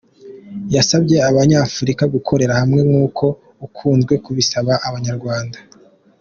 Yasabye Abanyafurika gukorera hamwe nk’ uko akunzwe kubisaba Abanyarwadna.